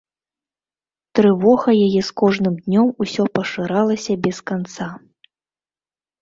Трывога яе з кожным днём усё пашыралася без канца.